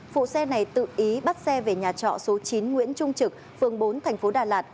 phụ xe này tự ý bắt xe về nhà trọ số chín nguyễn trung trực phường bốn thành phố đà lạt